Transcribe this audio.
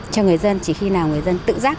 cho người dân chỉ khi nào người dân tự giác